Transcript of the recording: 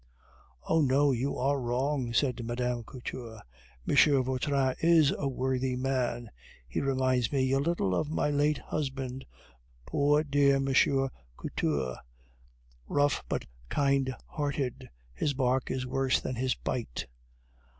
"Oh, no, you are wrong!" said Mme. Couture. "M. Vautrin is a worthy man; he reminds me a little of my late husband, poor dear M. Couture, rough but kind hearted; his bark is worse than his bite."